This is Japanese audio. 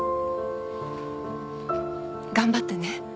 頑張ってね。